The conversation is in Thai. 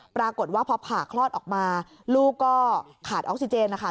ปรากฏว่าพอผ่าคลอดออกมาลูกก็ขาดออกซิเจนนะคะ